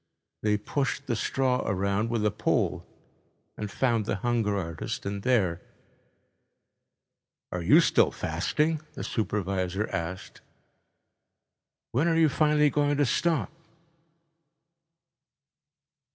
They pushed the straw around with a pole and found the hunger artist in there. "Are you still fasting?" the supervisor asked. "When are you finally going to stop?"